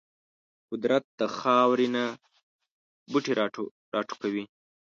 قدرت د خاورو نه بوټي راټوکوي.